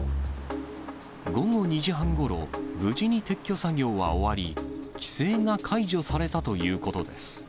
午後２時半ごろ、無事に撤去作業は終わり、規制が解除されたということです。